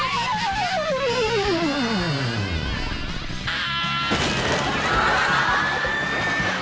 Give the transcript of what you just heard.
あ。